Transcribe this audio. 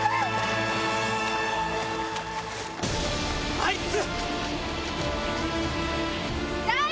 あいつ！